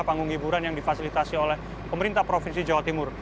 panggung hiburan yang difasilitasi oleh pemerintah provinsi jawa timur